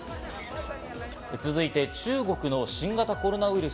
続いて中国の新型コロナウイルス。